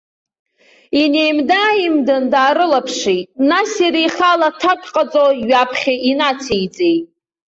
Инеимда-ааимдан даарылаԥшит, нас иара ихала аҭак ҟаҵо ҩаԥхьа инациҵеит.